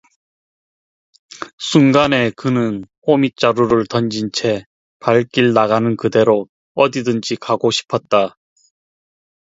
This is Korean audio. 순간에 그는 호밋자루를 던진 채 발길 나가는 그대로 어디든지 가고 싶었다.